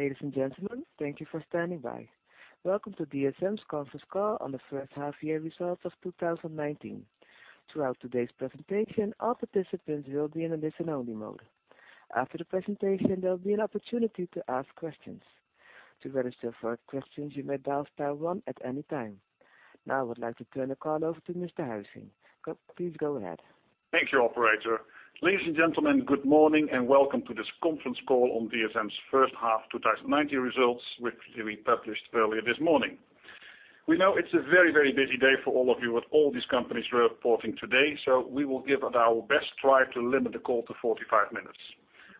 Ladies and gentlemen, thank you for standing by. Welcome to DSM's conference call on the first half year results of 2019. Throughout today's presentation, all participants will be in a listen-only mode. After the presentation, there'll be an opportunity to ask questions. To register for questions, you may dial star one at any time. Now I would like to turn the call over to Mr. Huizing. Please go ahead. Thank you, operator. Ladies and gentlemen, good morning and welcome to this conference call on DSM's first half 2019 results, which we published earlier this morning. We know it's a very busy day for all of you with all these companies reporting today, so we will give it our best try to limit the call to 45 minutes.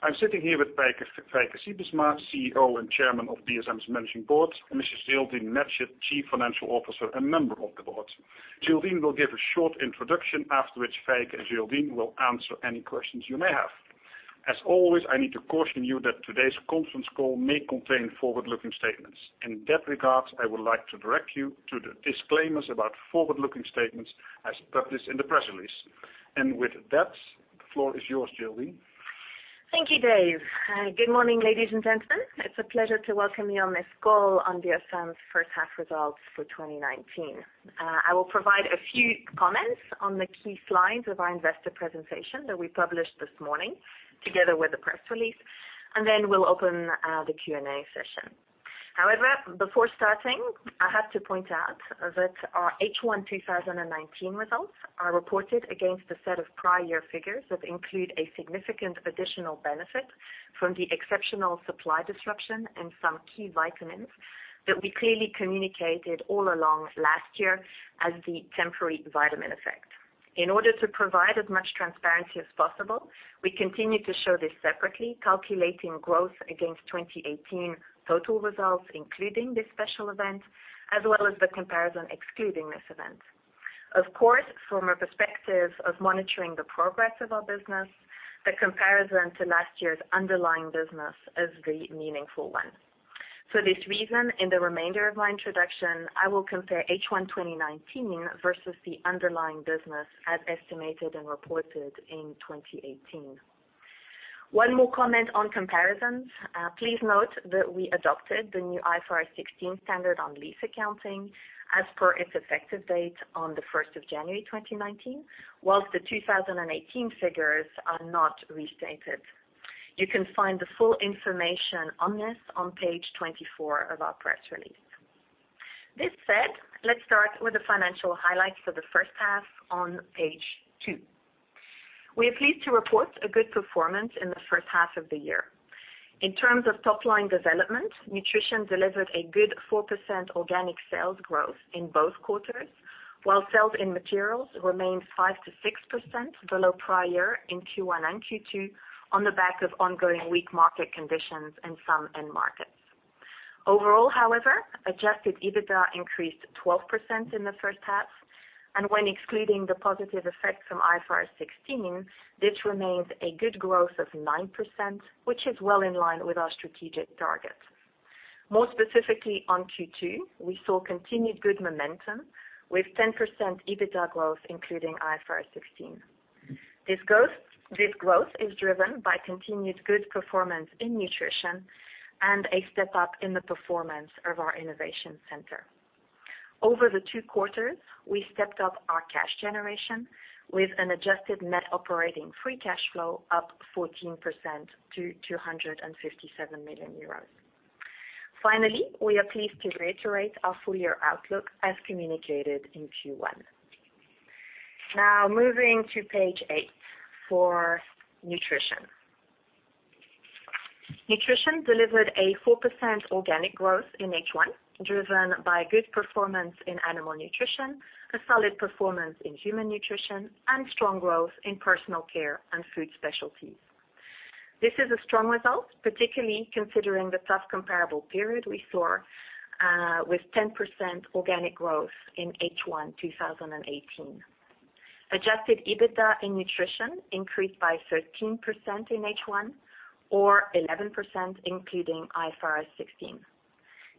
I'm sitting here with Feike Sijbesma, CEO and Chairman of DSM's Managing Board, and Mrs. Geraldine Matchett, Chief Financial Officer and member of the board. Geraldine will give a short introduction, after which Feike and Geraldine will answer any questions you may have. As always, I need to caution you that today's conference call may contain forward-looking statements. In that regard, I would like to direct you to the disclaimers about forward-looking statements as published in the press release. With that, the floor is yours, Geraldine. Thank you, Dave. Good morning, ladies and gentlemen. It's a pleasure to welcome you on this call on DSM's first half results for 2019. I will provide a few comments on the key slides of our investor presentation that we published this morning together with the press release, and then we'll open the Q&A session. However, before starting, I have to point out that our H1 2019 results are reported against a set of prior year figures that include a significant additional benefit from the exceptional supply disruption in some key vitamins that we clearly communicated all along last year as the temporary vitamin effect. In order to provide as much transparency as possible, we continue to show this separately, calculating growth against 2018 total results, including this special event, as well as the comparison excluding this event. Of course, from a perspective of monitoring the progress of our business, the comparison to last year's underlying business is the meaningful one. For this reason, in the remainder of my introduction, I will compare H1 2019 versus the underlying business as estimated and reported in 2018. One more comment on comparisons. Please note that we adopted the new IFRS 16 standard on lease accounting as per its effective date on the 1st of January 2019, whilst the 2018 figures are not restated. You can find the full information on this on page 24 of our press release. This said, let's start with the financial highlights for the first half on page two. We are pleased to report a good performance in the first half of the year. In terms of top-line development, nutrition delivered a good 4% organic sales growth in both quarters, while sales in materials remained 5%-6% below prior in Q1 and Q2 on the back of ongoing weak market conditions in some end markets. Overall, however, adjusted EBITDA increased 12% in the first half, and when excluding the positive effects from IFRS 16, this remains a good growth of 9%, which is well in line with our strategic targets. More specifically, on Q2, we saw continued good momentum with 10% EBITDA growth, including IFRS 16. This growth is driven by continued good performance in nutrition and a step up in the performance of our innovation center. Over the two quarters, we stepped up our cash generation with an adjusted net operating free cash flow up 14% to 257 million euros. Finally, we are pleased to reiterate our full year outlook as communicated in Q1. Now moving to page eight for nutrition. Nutrition delivered a 4% organic growth in H1, driven by good performance in animal nutrition, a solid performance in human nutrition, and strong growth in personal care and food specialties. This is a strong result, particularly considering the tough comparable period we saw with 10% organic growth in H1 2018. Adjusted EBITDA in nutrition increased by 13% in H1 or 11% including IFRS 16.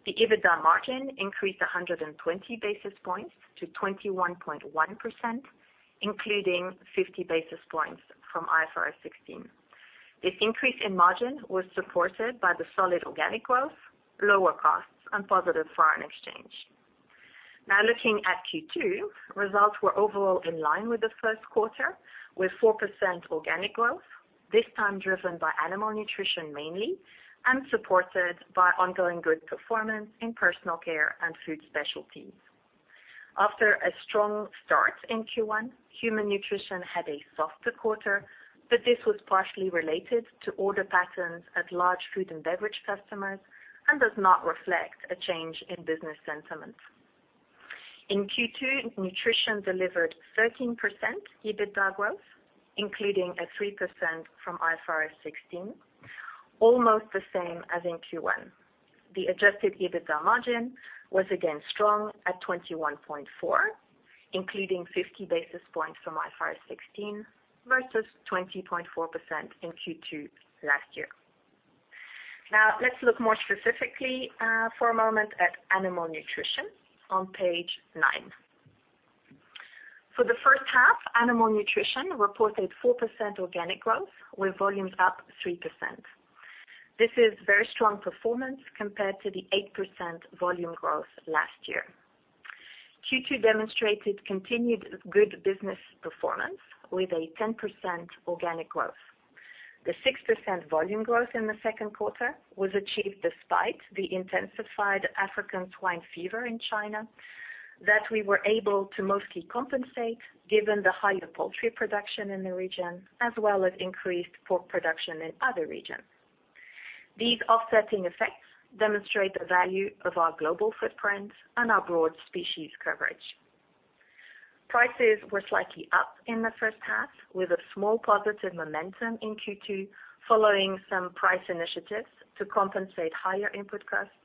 The EBITDA margin increased 120 basis points to 21.1%, including 50 basis points from IFRS 16. This increase in margin was supported by the solid organic growth, lower costs, and positive foreign exchange. Looking at Q2, results were overall in line with the first quarter, with 4% organic growth, this time driven by animal nutrition mainly, and supported by ongoing good performance in personal care and food specialties. After a strong start in Q1, human nutrition had a softer quarter, but this was partially related to order patterns at large food and beverage customers and does not reflect a change in business sentiment. In Q2, nutrition delivered 13% EBITDA growth, including a 3% from IFRS 16, almost the same as in Q1. The adjusted EBITDA margin was again strong at 21.4%, including 50 basis points from IFRS 16 versus 20.4% in Q2 last year. Let's look more specifically for a moment at animal nutrition on page nine. For the first half, animal nutrition reported 4% organic growth with volumes up 3%. This is very strong performance compared to the 8% volume growth last year. Q2 demonstrated continued good business performance with a 10% organic growth. The 6% volume growth in the second quarter was achieved despite the intensified African swine fever in China, that we were able to mostly compensate given the higher poultry production in the region, as well as increased pork production in other regions. These offsetting effects demonstrate the value of our global footprint and our broad species coverage. Prices were slightly up in the first half with a small positive momentum in Q2 following some price initiatives to compensate higher input costs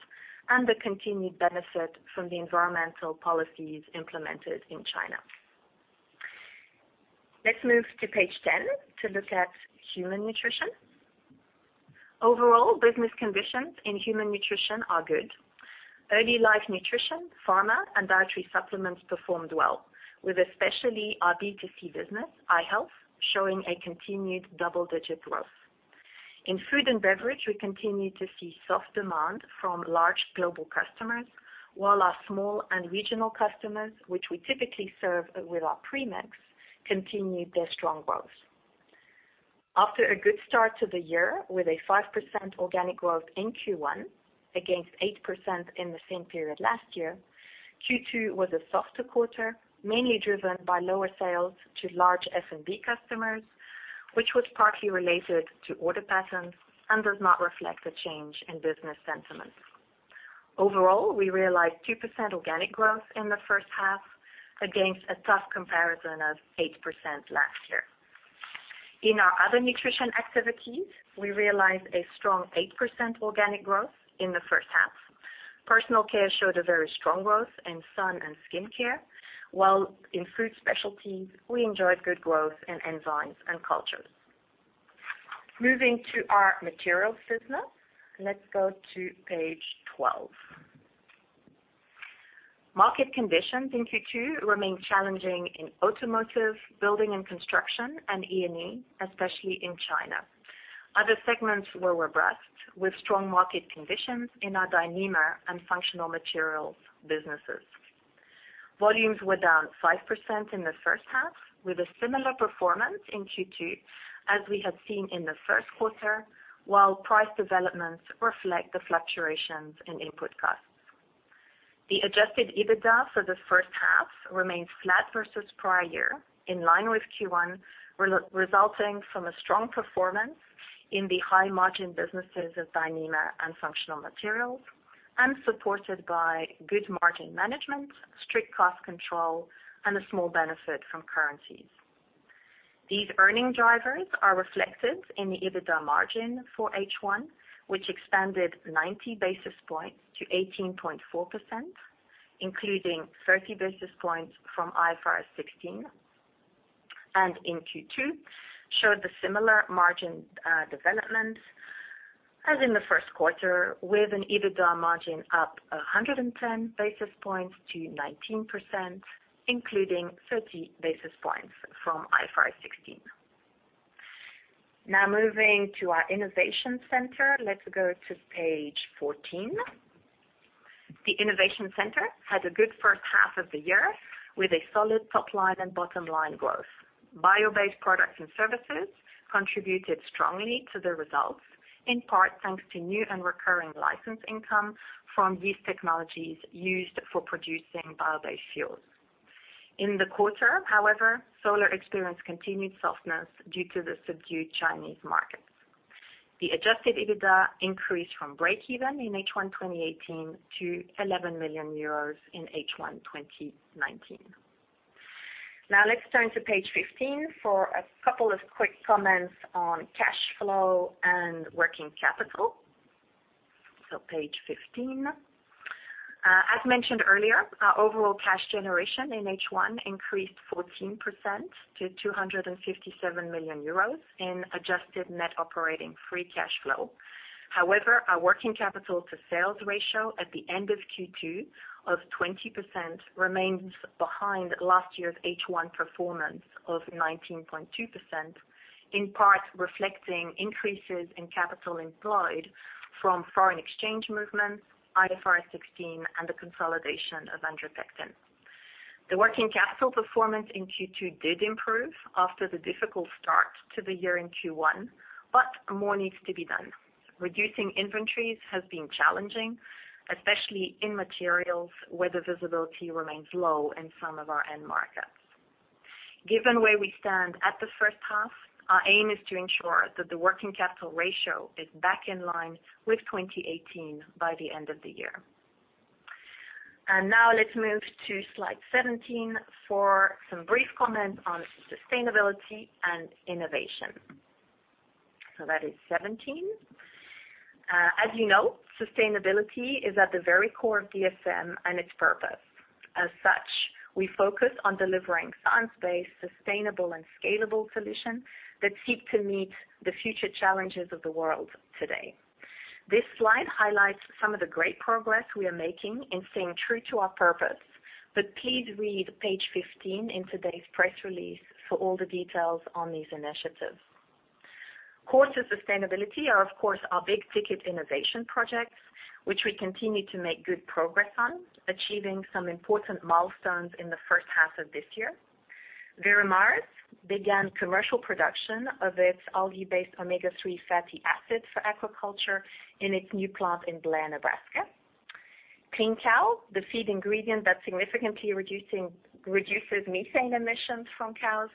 and the continued benefit from the environmental policies implemented in China. Let's move to page 10 to look at human nutrition. Overall, business conditions in human nutrition are good. Early life nutrition, pharma, and dietary supplements performed well, with especially our B2C business, i-Health, showing a continued double-digit growth. In food and beverage, we continue to see soft demand from large global customers, while our small and regional customers, which we typically serve with our premix, continued their strong growth. After a good start to the year with a 5% organic growth in Q1 against 8% in the same period last year, Q2 was a softer quarter, mainly driven by lower sales to large F&B customers, which was partly related to order patterns and does not reflect a change in business sentiment. Overall, we realized 2% organic growth in the first half against a tough comparison of 8% last year. In our other nutrition activities, we realized a strong 8% organic growth in the first half. Personal care showed a very strong growth in sun and skin care, while in food specialties, we enjoyed good growth in enzymes and cultures. Moving to our materials business, let's go to page 12. Market conditions in Q2 remain challenging in automotive, building and construction, and E&E, especially in China. Other segments were robust with strong market conditions in our Dyneema and functional materials businesses. Volumes were down 5% in the first half with a similar performance in Q2 as we had seen in the first quarter, while price developments reflect the fluctuations in input costs. The adjusted EBITDA for the first half remains flat versus prior year, in line with Q1, resulting from a strong performance in the high-margin businesses of Dyneema and functional materials and supported by good margin management, strict cost control, and a small benefit from currencies. These earning drivers are reflected in the EBITDA margin for H1, which expanded 90 basis points to 18.4%, including 30 basis points from IFRS 16, and in Q2 showed a similar margin development as in the first quarter, with an EBITDA margin up 110 basis points to 19%, including 30 basis points from IFRS 16. Now moving to our innovation center, let's go to page 14. The innovation center had a good first half of the year with a solid top-line and bottom-line growth. Bio-based products and services contributed strongly to the results, in part thanks to new and recurring license income from these technologies used for producing bio-based fuels. In the quarter, however, solar experienced continued softness due to the subdued Chinese markets. The adjusted EBITDA increased from breakeven in H1 2018 to 11 million euros in H1 2019. Let's turn to page 15 for a couple of quick comments on cash flow and working capital. Page 15. As mentioned earlier, our overall cash generation in H1 increased 14% to 257 million euros in adjusted net operating free cash flow. Our working capital to sales ratio at the end of Q2 of 20% remains behind last year's H1 performance of 19.2%, in part reflecting increases in capital employed from foreign exchange movements, IFRS 16, and the consolidation of Andre Pectin. The working capital performance in Q2 did improve after the difficult start to the year in Q1, more needs to be done. Reducing inventories has been challenging, especially in materials where the visibility remains low in some of our end markets. Given where we stand at the first half, our aim is to ensure that the working capital ratio is back in line with 2018 by the end of the year. Now let's move to slide 17 for some brief comments on sustainability and innovation. That is 17. As you know, sustainability is at the very core of DSM and its purpose. As such, we focus on delivering science-based, sustainable, and scalable solutions that seek to meet the future challenges of the world today. This slide highlights some of the great progress we are making in staying true to our purpose. Please read page 15 in today's press release for all the details on these initiatives. Courses sustainability are, of course, our big-ticket innovation projects, which we continue to make good progress on, achieving some important milestones in the first half of this year. Veramaris began commercial production of its algae-based omega-3 fatty acids for aquaculture in its new plant in Blair, Nebraska. CleanCow, the feed ingredient that significantly reduces methane emissions from cows,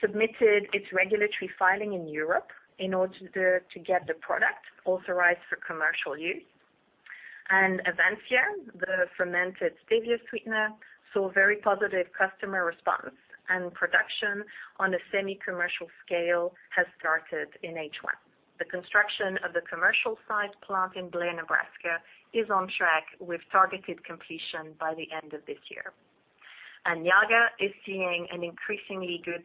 submitted its regulatory filing in Europe in order to get the product authorized for commercial use. Avansya, the fermented stevia sweetener, saw a very positive customer response, and production on a semi-commercial scale has started in H1. The construction of the commercial site plant in Blair, Nebraska, is on track with targeted completion by the end of this year. Niaga is seeing an increasingly good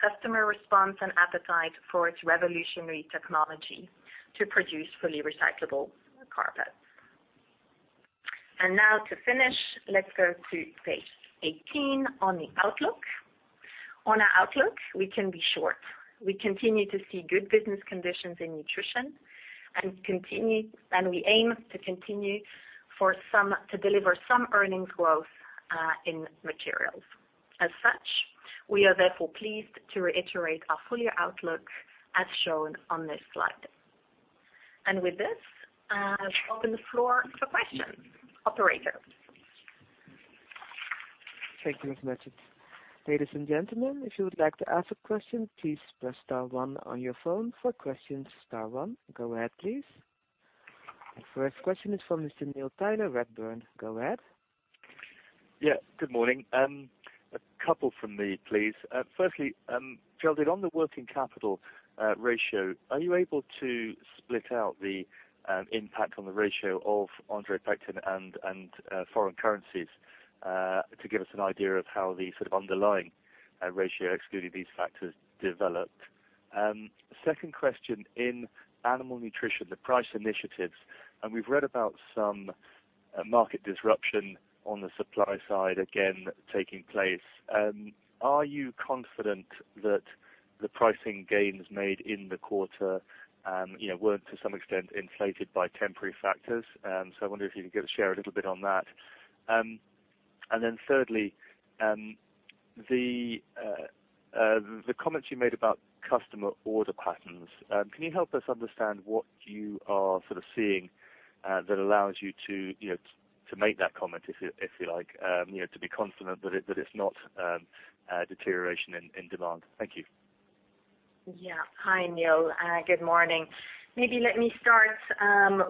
customer response and appetite for its revolutionary technology to produce fully recyclable carpets. Now, to finish, let's go to page 18 on the outlook. On our outlook, we can be short. We continue to see good business conditions in nutrition, and we aim to continue to deliver some earnings growth in materials. As such, we are therefore pleased to reiterate our full-year outlook as shown on this slide. With this, I open the floor for questions. Operator. Thank you very much. Ladies and gentlemen, if you would like to ask a question, please press star one on your phone. For questions, star one. Go ahead, please. The first question is from Mr. Neil Tyler, Redburn. Go ahead. Yeah, good morning. A couple from me, please. Firstly, Geraldine, on the working capital ratio, are you able to split out the impact on the ratio of Andre Pectin and foreign currencies, to give us an idea of how the sort of underlying ratio excluding these factors developed? Second question, in animal nutrition, the price initiatives. We've read about some market disruption on the supply side again taking place. Are you confident that the pricing gains made in the quarter weren't, to some extent, inflated by temporary factors? I wonder if you could share a little bit on that. Thirdly, the comments you made about customer order patterns, can you help us understand what you are sort of seeing that allows you to make that comment, if you like, to be confident that it's not a deterioration in demand? Thank you. Yeah. Hi, Neil. Good morning. Maybe let me start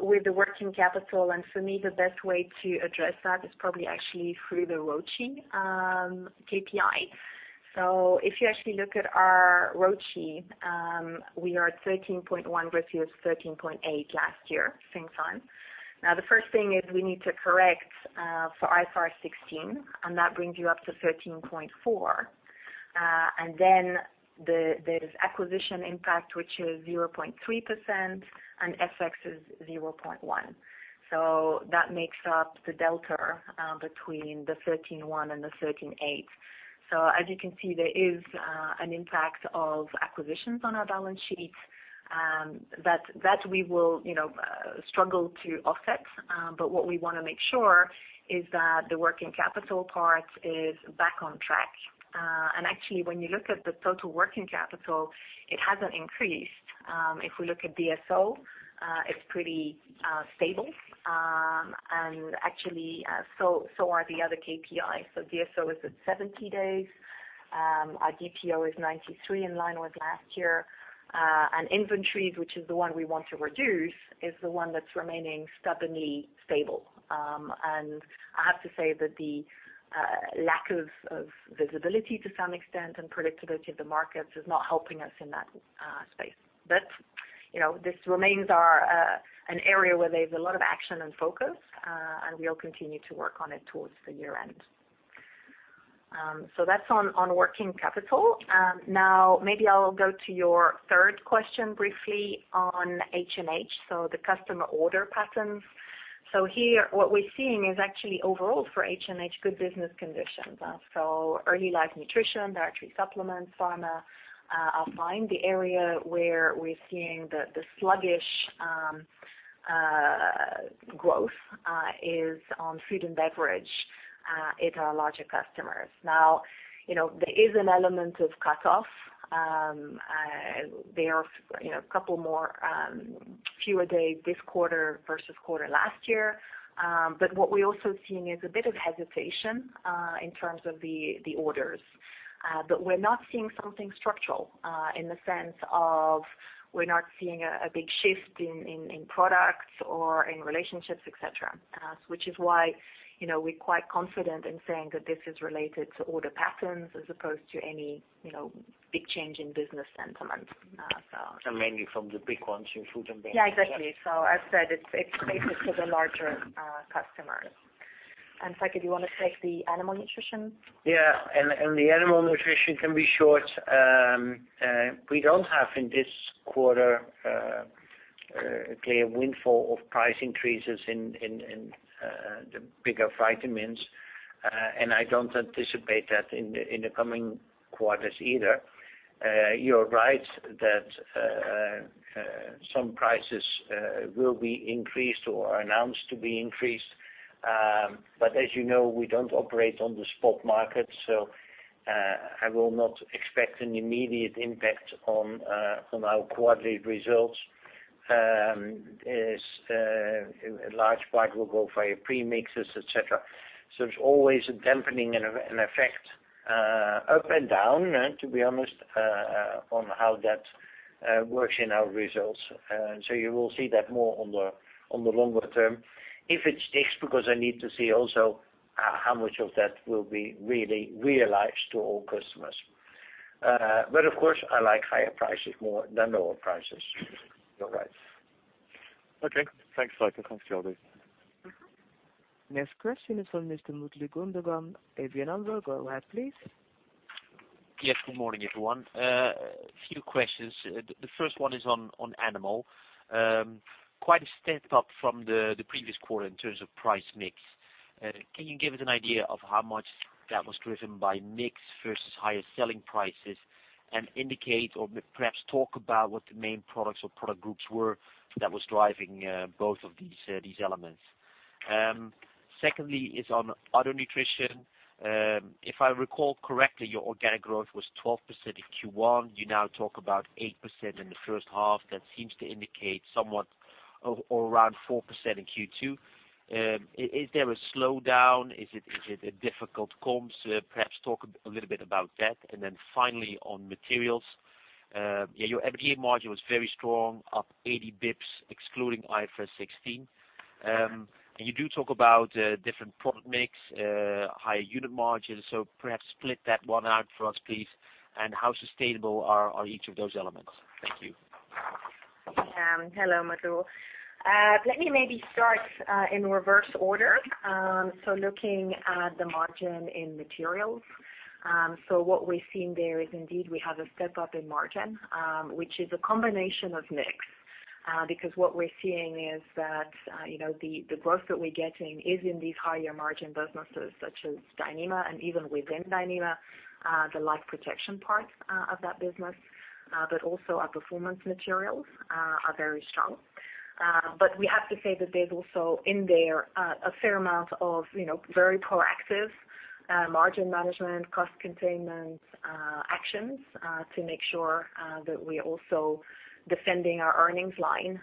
with the working capital, and for me, the best way to address that is probably actually through the ROCE KPI. If you actually look at our ROCE, we are at 13.1 versus 13.8 last year, same time. The first thing is we need to correct for IFRS 16, that brings you up to 13.4. Then there's acquisition impact, which is 0.3%, and FX is 0.1%. That makes up the delta between the 13.1 and the 13.8. As you can see, there is an impact of acquisitions on our balance sheet that we will struggle to offset. What we want to make sure is that the working capital part is back on track. Actually, when you look at the total working capital, it hasn't increased. If we look at DSO, it's pretty stable. Actually, so are the other KPIs. DSO is at 70 days. Our DPO is 93, in line with last year. Inventories, which is the one we want to reduce, is the one that's remaining stubbornly stable. I have to say that the lack of visibility to some extent and predictability of the markets is not helping us in that space. This remains an area where there's a lot of action and focus, and we'll continue to work on it towards the year-end. That's on working capital. Maybe I'll go to your third question briefly on HNH, so the customer order patterns. Here, what we're seeing is actually overall for HNH, good business conditions. Early life nutrition, dietary supplements, pharma are fine. The area where we're seeing the sluggish growth is on F&B in our larger customers. Now, there is an element of cut-off. There are a couple more fewer days this quarter versus quarter last year. What we're also seeing is a bit of hesitation in terms of the orders. We're not seeing something structural in the sense of we're not seeing a big shift in products or in relationships, et cetera, which is why we're quite confident in saying that this is related to order patterns as opposed to any big change in business sentiment. Mainly from the big ones in food and beverage. Yeah, exactly. As I said, it's specific to the larger customers. Feike, do you want to take the animal nutrition? Yeah. The animal nutrition can be short. We don't have, in this quarter, a clear windfall of price increases in the bigger vitamins. I don't anticipate that in the coming quarters either. You're right that some prices will be increased or announced to be increased. As you know, we don't operate on the spot market, so I will not expect an immediate impact on our quarterly results, as a large part will go via premixes, et cetera. There's always a dampening and effect up and down, to be honest, on how that works in our results. You will see that more on the longer term. If it sticks, because I need to see also how much of that will be really realized to all customers. Of course, I like higher prices more than lower prices. You're right. Okay. Thanks, Feike. Thanks, Geraldine. Mm-hmm. Next question is from Mr. Mutlu Gundogan, ABN AMRO. Go ahead, please. Yes, good morning, everyone. A few questions. The first one is on Animal. Quite a step up from the previous quarter in terms of price mix. Can you give us an idea of how much that was driven by mix versus higher selling prices, and indicate or perhaps talk about what the main products or product groups were that was driving both of these elements? Secondly, is on Other Nutrition. If I recall correctly, your organic growth was 12% in Q1. You now talk about 8% in the first half. That seems to indicate somewhat or around 4% in Q2. Is there a slowdown? Is it a difficult comps? Perhaps talk a little bit about that. Then finally, on Materials. Your EBITDA margin was very strong, up 80 basis points excluding IFRS 16. You do talk about different product mix, higher unit margin. Perhaps split that one out for us, please. How sustainable are each of those elements? Thank you. Hello, Mutlu. Let me maybe start in reverse order. Looking at the margin in materials. What we're seeing there is indeed we have a step-up in margin, which is a combination of mix. What we're seeing is that the growth that we're getting is in these higher margin businesses such as Dyneema, and even within Dyneema, the life protection part of that business, also our performance materials are very strong. We have to say that there's also in there a fair amount of very proactive margin management, cost containment actions to make sure that we're also defending our earnings line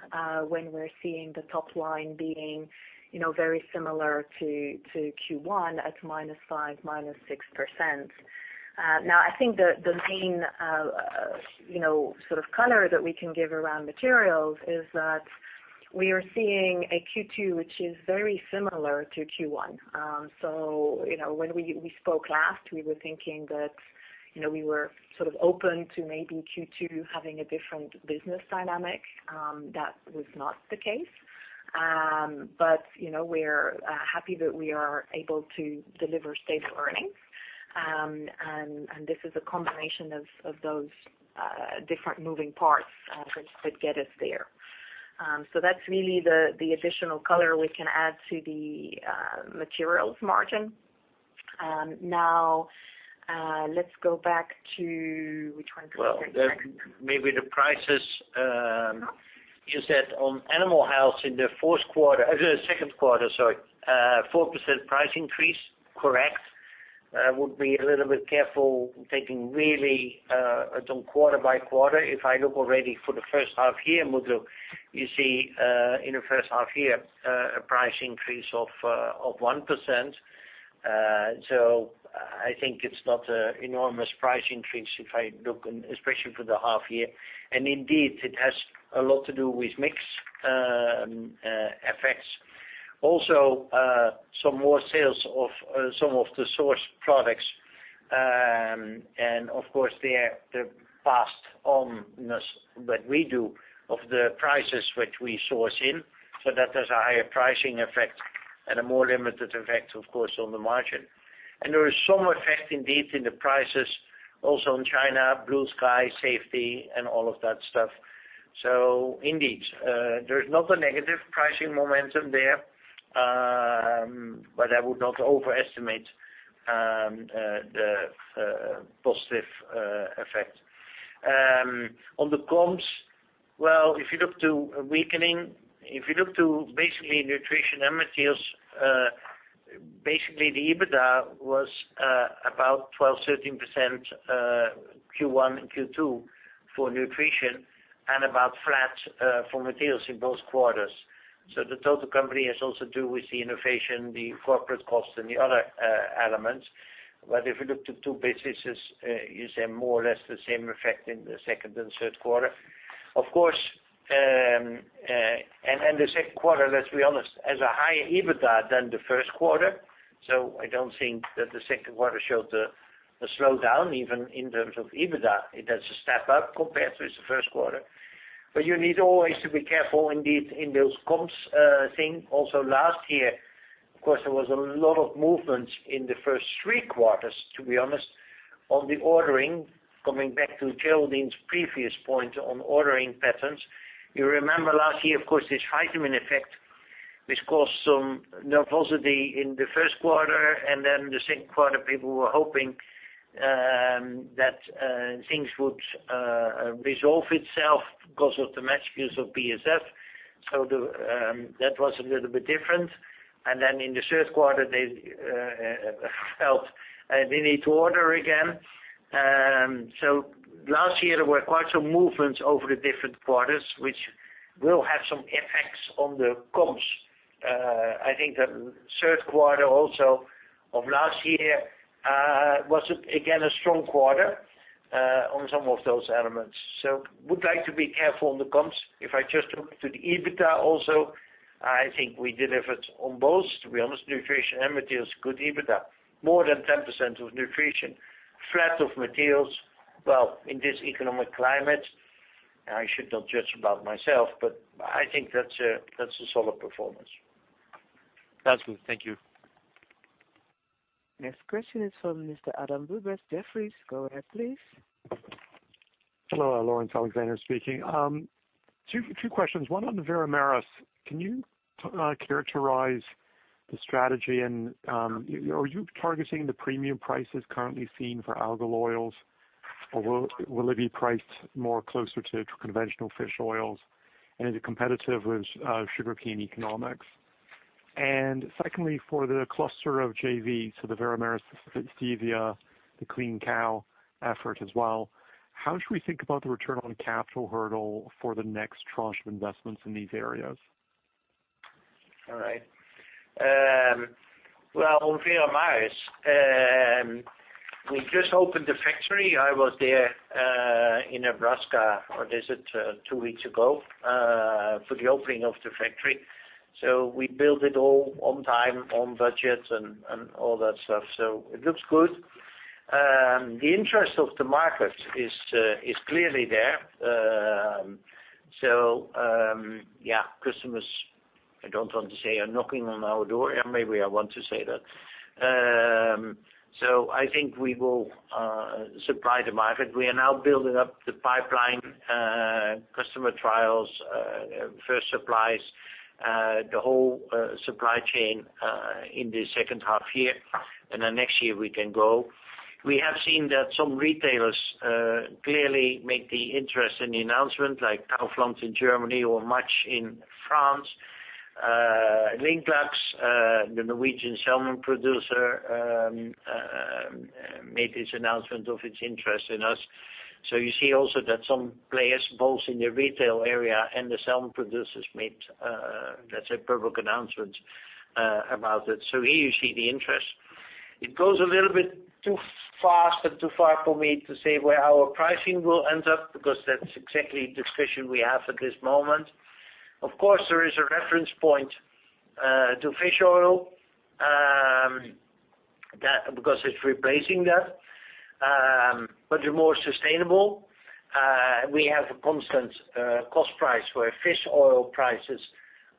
when we're seeing the top line being very similar to Q1 at -5%, -6%. I think the main sort of color that we can give around materials is that we are seeing a Q2 which is very similar to Q1. When we spoke last, we were thinking that we were sort of open to maybe Q2 having a different business dynamic. That was not the case. We're happy that we are able to deliver stable earnings. This is a combination of those different moving parts that get us there. That's really the additional color we can add to the materials margin. Let's go back to which one is second? Well, maybe the prices. No. You said on animal health in the second quarter, 4% price increase. Correct. I would be a little bit careful taking really it on quarter by quarter. If I look already for the first half year, Mutlu, you see in the first half year a price increase of 1%. I think it's not a enormous price increase if I look especially for the half year. Indeed, it has a lot to do with mix effects. Also, some more sales of some of the source products. Of course, they're passed on as what we do of the prices which we source in, so that there's a higher pricing effect and a more limited effect, of course, on the margin. There is some effect indeed in the prices also in China, Blue Sky, safety, and all of that stuff. Indeed, there's not a negative pricing momentum there, but I would not overestimate the positive effect. On the comps, if you look to nutrition and materials, the EBITDA was about 12%, 13% Q1 and Q2 for nutrition and about flat for materials in both quarters. The total company has also to do with the innovation, the corporate cost, and the other elements. If you look to two businesses, you see more or less the same effect in the second and third quarter. Of course, the second quarter, let's be honest, has a higher EBITDA than the first quarter. I don't think that the second quarter showed a slowdown, even in terms of EBITDA. It has a step-up compared to the first quarter. You need always to be careful indeed in those comps thing. Last year, of course, there was a lot of movements in the first three quarters, to be honest, on the ordering, coming back to Geraldine's previous point on ordering patterns. You remember last year, of course, this vitamin effect, which caused some nervosity in the first quarter, and then the second quarter, people were hoping that things would resolve itself because of the mergers of BASF. That was a little bit different. In the third quarter, they felt they need to order again. Last year, there were quite some movements over the different quarters, which will have some effects on the comps. I think the third quarter also of last year, was again, a strong quarter on some of those elements. Would like to be careful on the comps. If I just look to the EBITDA also, I think we delivered on both, to be honest, Nutrition and Materials, good EBITDA. More than 10% of Nutrition, flat of Materials. Well, in this economic climate, I should not judge about myself, but I think that's a solid performance. Excellent. Thank you. Next question is from Mr. Adam Bubes, Jefferies. Go ahead, please. Hello, Laurence Alexander speaking. Two questions. One on Veramaris. Can you characterize the strategy and are you targeting the premium prices currently seen for algal oils, or will it be priced more closer to conventional fish oils? Is it competitive with sugarcane economics? Secondly, for the cluster of JV, so the Veramaris, Stevia, the Clean Cow effort as well, how should we think about the return on capital hurdle for the next tranche of investments in these areas? All right. Well, on Veramaris, we just opened the factory. I was there in Nebraska, I visit two weeks ago, for the opening of the factory. We built it all on time, on budget and all that stuff. It looks good. The interest of the market is clearly there. Yeah, customers, I don't want to say are knocking on our door. Maybe I want to say that. I think we will supply the market. We are now building up the pipeline, customer trials, first supplies, the whole supply chain, in the second half year. Next year we can grow. We have seen that some retailers clearly make the interest in the announcement, like Kaufland in Germany or Carrefour in France. Lerøy, the Norwegian salmon producer, made its announcement of its interest in us. You see also that some players, both in the retail area and the salmon producers made let's say public announcements about it. Here you see the interest. It goes a little bit too fast and too far for me to say where our pricing will end up because that's exactly the discussion we have at this moment. Of course, there is a reference point to fish oil, because it's replacing that, but they're more sustainable. We have a constant cost price where fish oil prices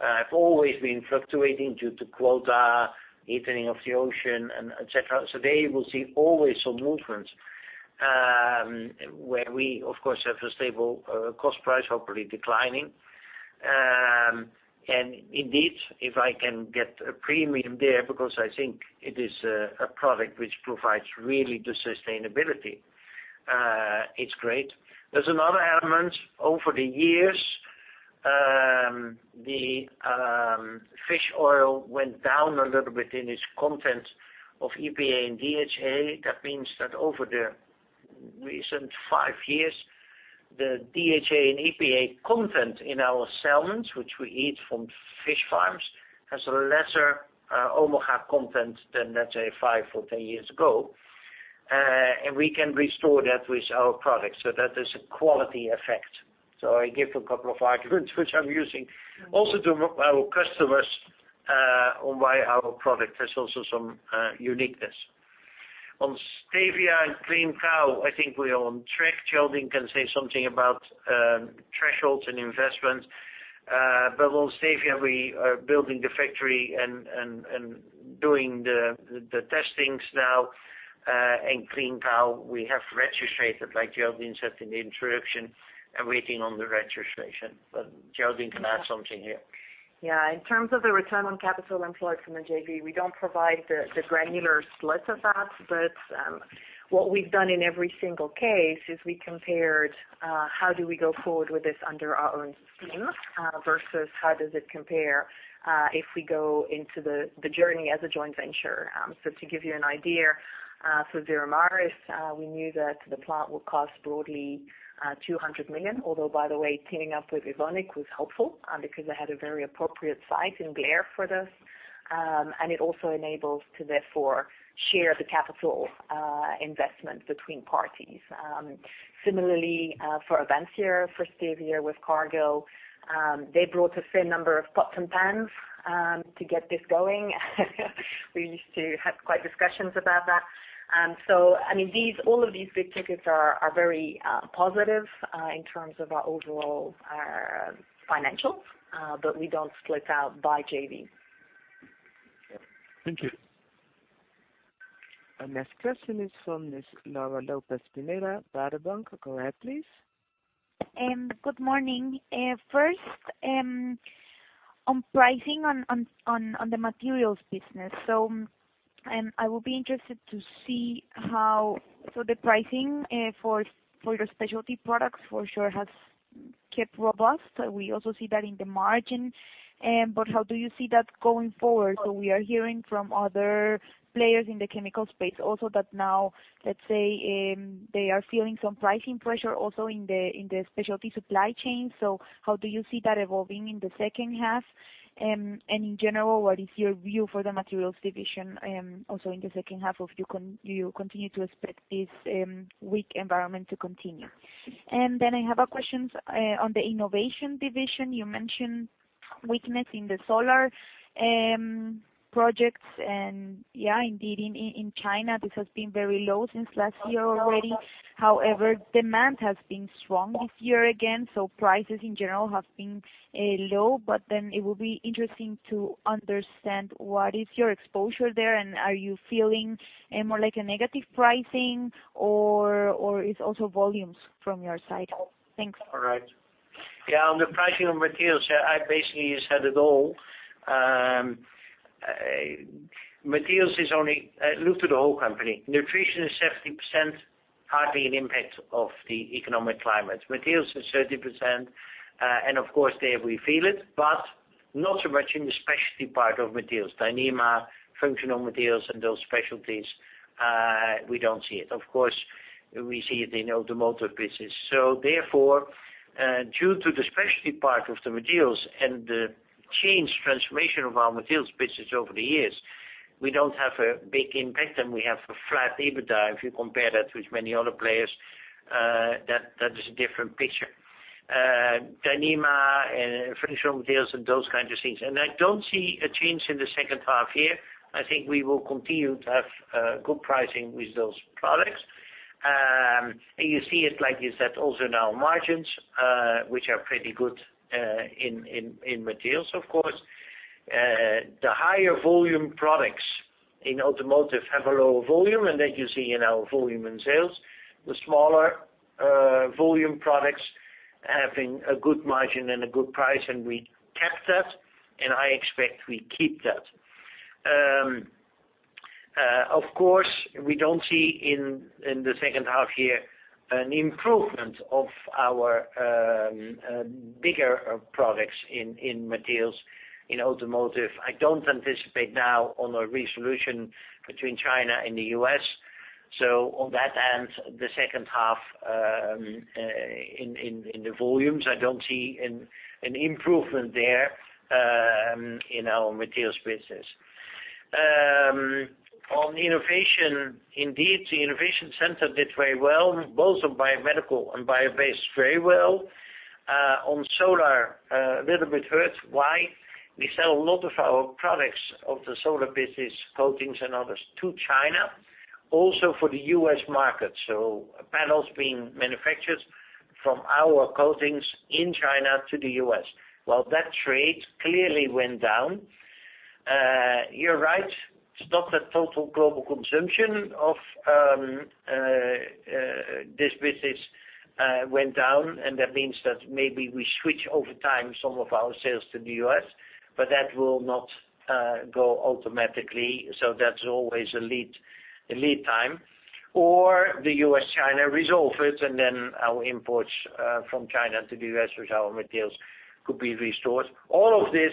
have always been fluctuating due to quota, heating of the ocean, et cetera. There you will see always some movements, where we, of course, have a stable cost price, hopefully declining. Indeed, if I can get a premium there because I think it is a product which provides really the sustainability, it's great. There's another element. Over the years, the fish oil went down a little bit in its content of EPA and DHA. That means that over the recent five years, the DHA and EPA content in our salmons, which we eat from fish farms, has a lesser omega content than let's say five or 10 years ago. We can restore that with our product so that is a quality effect. I give a couple of arguments which I'm using also to our customers, on why our product has also some uniqueness. On Stevia and Clean Cow, I think we're on track. Geraldine can say something about thresholds and investment. On Stevia, we are building the factory and doing the testings now. Clean Cow, we have registration, like Geraldine said in the introduction, and waiting on the registration. Geraldine can add something here. Yeah. In terms of the return on capital employed from the JV, we don't provide the granular splits of that. What we've done in every single case is we compared how do we go forward with this under our own steam versus how does it compare if we go into the journey as a joint venture. To give you an idea, for Veramaris, we knew that the plant would cost broadly 200 million. Although, by the way, teaming up with Evonik was helpful because they had a very appropriate site in Blair for this. It also enables to therefore share the capital investment between parties. Similarly, for Avansya, for stevia with Cargill, they brought a fair number of pots and pans to get this going. We used to have quite discussions about that. All of these big tickets are very positive in terms of our overall financials. We don't split out by JV. Thank you. Our next question is from Ms. Laura Lopez Bueno, Bank of America. Go ahead, please. Good morning. First, on pricing on the materials business. I will be interested to see how the pricing for your specialty products for sure has kept robust. We also see that in the margin. How do you see that going forward? We are hearing from other players in the chemical space also that now, let's say, they are feeling some pricing pressure also in the specialty supply chain. How do you see that evolving in the second half? In general, what is your view for the materials division also in the second half? Do you continue to expect this weak environment to continue? I have a question on the innovation division. You mentioned weakness in the solar projects and indeed in China, this has been very low since last year already. Demand has been strong this year again. Prices in general have been low. It would be interesting to understand what is your exposure there. Are you feeling more like a negative pricing or it's also volumes from your side? Thanks. All right. On the pricing of materials, I basically said it all. Look to the whole company. Nutrition is 70%, hardly an impact of the economic climate. Materials is 30%, of course, there we feel it, but not so much in the specialty part of materials. Dyneema, functional materials, those specialties, we don't see it. Of course, we see it in automotive business. Therefore, due to the specialty part of the materials and the change transformation of our materials business over the years, we don't have a big impact, and we have a flat EBITDA. If you compare that with many other players, that is a different picture. Dyneema, functional materials, those kinds of things. I don't see a change in the second half year. I think we will continue to have good pricing with those products. You see it like you said, also in our margins, which are pretty good in materials, of course. The higher volume products in automotive have a lower volume, and that you see in our volume and sales. The smaller volume products having a good margin and a good price, and we kept that, and I expect we keep that. Of course, we don't see in the second half year an improvement of our bigger products in materials in automotive. I don't anticipate now on a resolution between China and the U.S. On that end, the second half in the volumes, I don't see an improvement there in our materials business. On innovation, indeed, the innovation center did very well, both on biomedical and bio-based, very well. On solar, a little bit hurt. Why? We sell a lot of our products of the solar business coatings and others to China, also for the U.S. market. Panels being manufactured from our coatings in China to the U.S. Well, that trade clearly went down. You're right, stock to total global consumption of this business went down, and that means that maybe we switch over time some of our sales to the U.S., but that will not go automatically, so that's always a lead time. The U.S., China resolve it, and then our imports from China to the U.S. with our materials could be restored. All of this,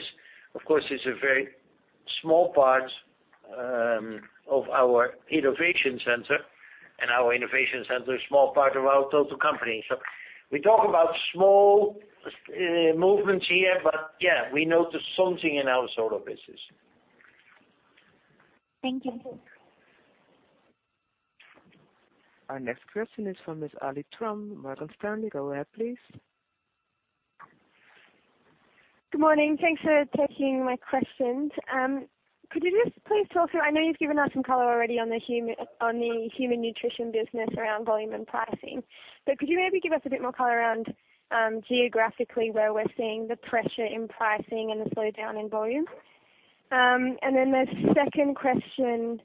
of course, is a very small part of our innovation center, and our innovation center is small part of our total company. We talk about small movements here, but we notice something in our solar business. Thank you. Our next question is from Ms. Alain Gabriel, Morgan Stanley. Go ahead, please. Good morning. Thanks for taking my questions. Could you just please talk through, I know you've given us some color already on the human nutrition business around volume and pricing, but could you maybe give us a bit more color around geographically where we're seeing the pressure in pricing and the slowdown in volume? The second question,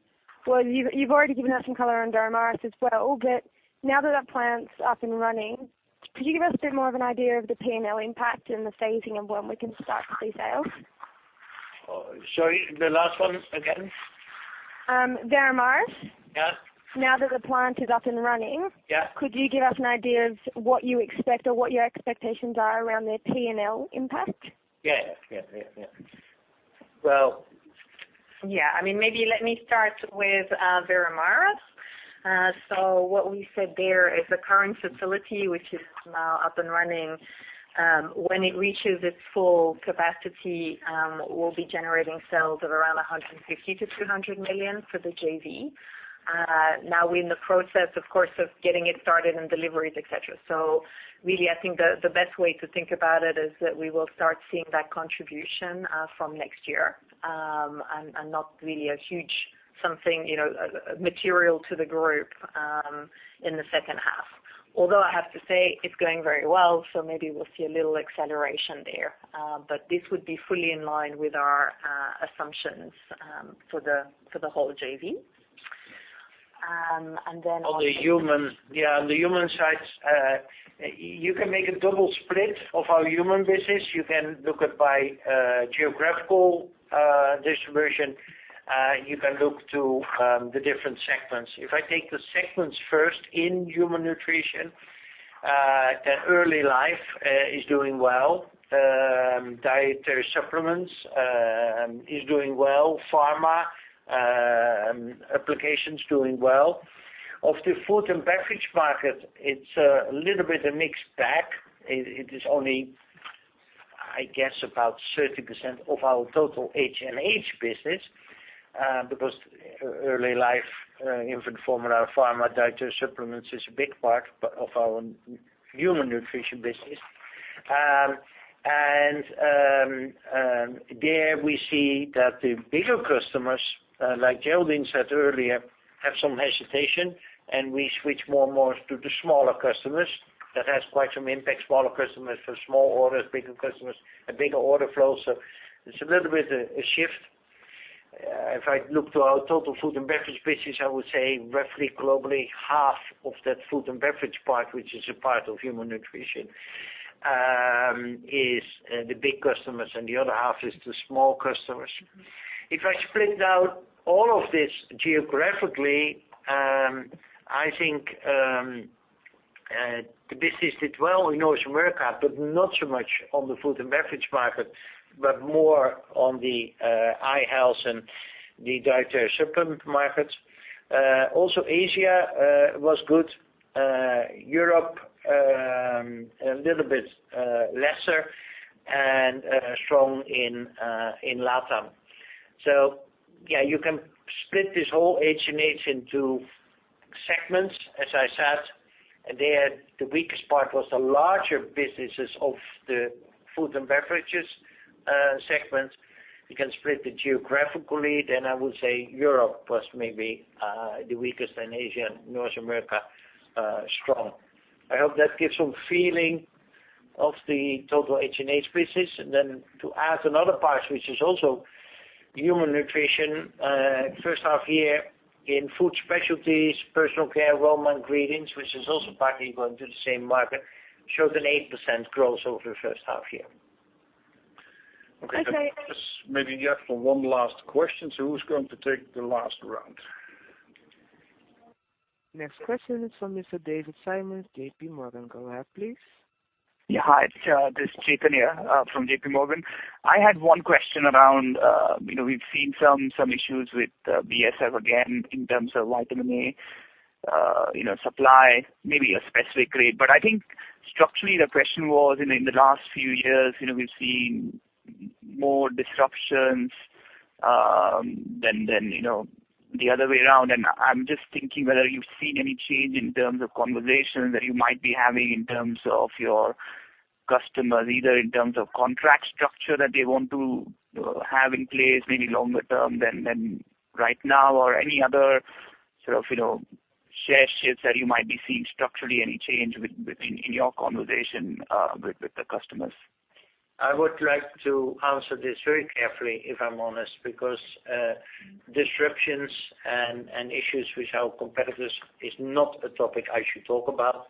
you've already given us some color on Veramaris as well, but now that that plant's up and running, could you give us a bit more of an idea of the P&L impact and the phasing of when we can start to see sales? Sorry. The last one again. Veramaris. Yeah. Now that the plant is up and running. Yeah. Could you give us an idea of what you expect or what your expectations are around their P&L impact? Yeah. Maybe let me start with Veramaris. What we said there is the current facility, which is now up and running, when it reaches its full capacity, we will be generating sales of around 150 million-200 million for the JV. Now we are in the process, of course, of getting it started and deliveries, et cetera. Really, I think the best way to think about it is that we will start seeing that contribution from next year, and not really a huge something material to the group in the second half. Although I have to say it is going very well, so maybe we will see a little acceleration there. This would be fully in line with our assumptions for the whole JV. On the human side, you can make a double split of our human business. You can look it by geographical distribution. You can look to the different segments. If I take the segments first in human nutrition, early life is doing well. Dietary supplements is doing well. Pharma applications doing well. Of the food and beverage market, it's a little bit of mixed bag. It is only, I guess, about 30% of our total HNH business, because early life infant formula, pharma dietary supplements is a big part of our human nutrition business. There we see that the bigger customers, like Geraldine said earlier, have some hesitation, and we switch more and more to the smaller customers. That has quite some impact. Smaller customers for small orders, bigger customers, a bigger order flow. It's a little bit a shift. If I look to our total food and beverage business, I would say roughly globally, half of that food and beverage part, which is a part of human nutrition, is the big customers, and the other half is the small customers. If I split out all of this geographically, I think, the business did well in North America, but not so much on the food and beverage market, but more on the eye health and the dietary supplement markets. Also Asia, was good, Europe, a little bit lesser, and strong in Latam. You can split this whole HNH into segments, as I said, there the weakest part was the larger businesses of the food and beverages segment. You can split it geographically, then I would say Europe was maybe the weakest, and Asia, North America, strong. I hope that gives some feeling of the total HNH business. To add another part, which is also human nutrition, first half year in food specialties, personal care, aroma ingredients, which is also partly going to the same market, showed an 8% growth over the first half year. Okay. Okay. Maybe we have for one last question. Who's going to take the last round? Next question is from Mr. David Simon, JP Morgan. Go ahead, please. Yeah. Hi, this is Chetan here, from JP Morgan. I had one question around, we've seen some issues with BASF again in terms of vitamin A supply, maybe a specific grade. I think structurally the question was in the last few years, we've seen more disruptions than the other way around. I'm just thinking whether you've seen any change in terms of conversations that you might be having in terms of your customers, either in terms of contract structure that they want to have in place maybe longer term than right now, or any other sort of share shifts that you might be seeing structurally, any change in your conversation with the customers? I would like to answer this very carefully, if I'm honest, because disruptions and issues with our competitors is not a topic I should talk about,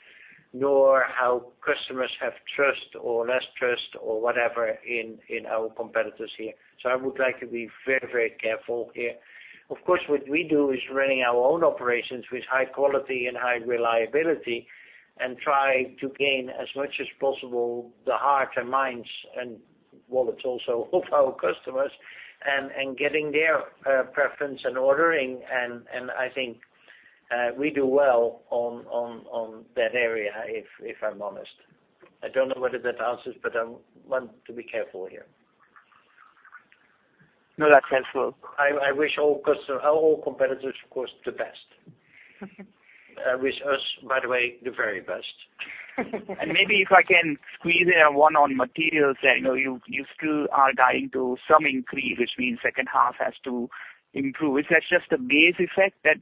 nor how customers have trust or less trust or whatever in our competitors here. I would like to be very careful here. Of course, what we do is running our own operations with high quality and high reliability and try to gain as much as possible the heart and minds and wallets also of our customers and getting their preference and ordering. I think we do well on that area, if I'm honest. I don't know whether that answers, but I want to be careful here. No, that's helpful. I wish all competitors, of course, the best. Wish us, by the way, the very best. Maybe if I can squeeze in one on materials that you still are guiding to some increase, which means second half has to improve. Is that just a base effect that?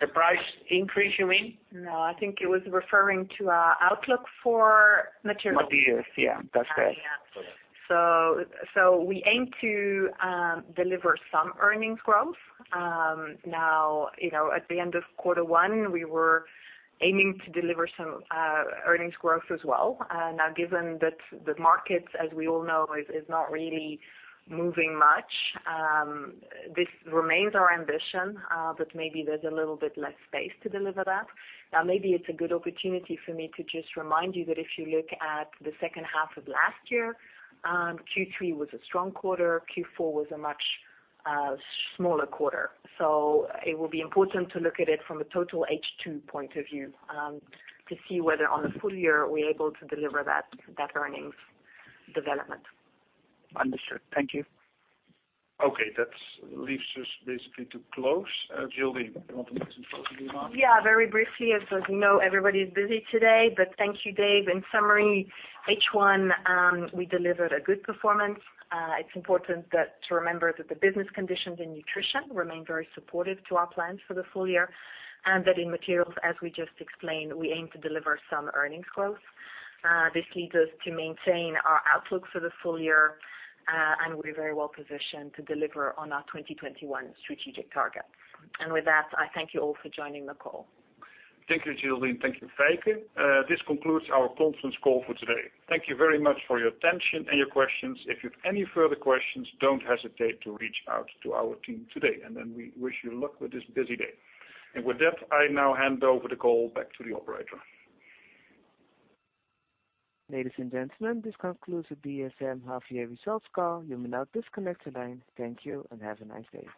The price increase, you mean? No, I think he was referring to our outlook for materials. Materials. Yeah, that's right. Yeah. We aim to deliver some earnings growth. At the end of quarter one, we were aiming to deliver some earnings growth as well. Given that the market, as we all know, is not really moving much, this remains our ambition, but maybe there's a little bit less space to deliver that. Maybe it's a good opportunity for me to just remind you that if you look at the second half of last year, Q3 was a strong quarter, Q4 was a much smaller quarter. It will be important to look at it from a total H2 point of view, to see whether on a full year we're able to deliver that earnings development. Understood. Thank you. Okay. That leaves us basically to close. Geraldine, you want to make some closing remarks? Very briefly, as you know everybody's busy today, thank you, Dave. In summary, H1, we delivered a good performance. It's important to remember that the business conditions in nutrition remain very supportive to our plans for the full year, and that in materials, as we just explained, we aim to deliver some earnings growth. This leads us to maintain our outlook for the full year, and we're very well positioned to deliver on our 2021 strategic target. With that, I thank you all for joining the call. Thank you, Geraldine. Thank you, Feike. This concludes our conference call for today. Thank you very much for your attention and your questions. If you have any further questions, don't hesitate to reach out to our team today. We wish you luck with this busy day. With that, I now hand over the call back to the operator. Ladies and gentlemen, this concludes the DSM half year results call. You may now disconnect the line. Thank you and have a nice day.